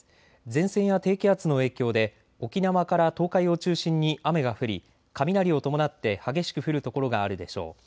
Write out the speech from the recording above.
前線や低気圧の影響で沖縄から東海を中心に雨が降り雷を伴って激しく降る所があるでしょう。